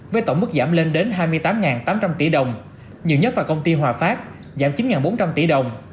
với tổng mức giảm lên đến hai mươi tám tám trăm linh tỷ đồng nhiều nhất là công ty hòa phát giảm chín bốn trăm linh tỷ đồng